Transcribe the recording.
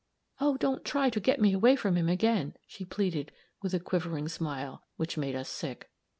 "Oh, don't try to get me away from him again," she pleaded, with a quivering smile, which made us sick.